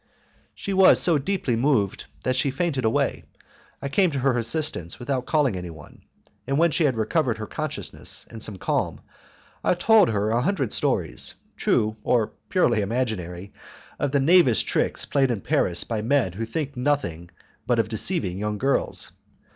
She was so deeply moved that she fainted away. I came to her assistance without calling anyone, and when she had recovered her consciousness and some calm, I told her a hundred stories, true or purely imaginary, of the knavish tricks played in Paris by men who think of nothing but of deceiving young girls.